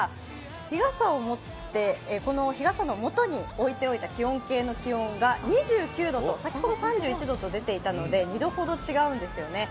日傘を持って、この日傘のもとに置いておいた気温計の気温が２９度と先ほど３１度と出ていたので２度ほど違うんですよね。